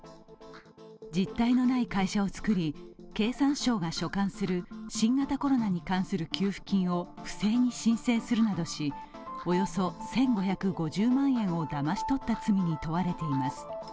実体のない会社を作り経産省が所管する新型コロナに関する給付金を不正に申請するなどし、およそ１５５０万円をだまし取った罪に問われています。